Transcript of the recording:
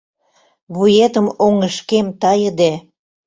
Вуетым оҥышкем тайыде